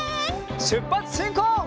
しゅっぱつしんこう！